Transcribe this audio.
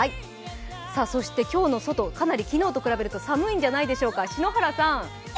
そして今日の外、昨日と比べるとかなり寒いんじゃないでしょうか。